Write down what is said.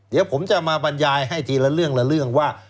เดี๋ยวผมจะมาบรรยายให้ทีละเรื่องว่า